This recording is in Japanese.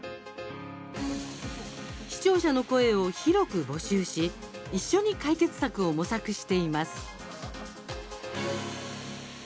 視聴者の声を広く募集し一緒に解決策を模索しています。